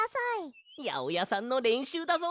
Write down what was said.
やおやさんのれんしゅうだぞ。